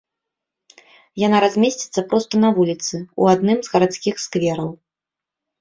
Яна размесціцца проста на вуліцы, у адным з гарадскіх сквераў.